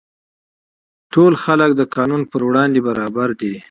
ټول وګړي د قانون پر وړاندې برابر دي.